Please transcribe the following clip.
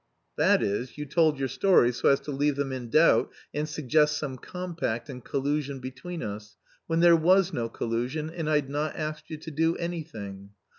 "That is, you told your story so as to leave them in doubt and suggest some compact and collusion between us, when there was no collusion and I'd not asked you to do anything."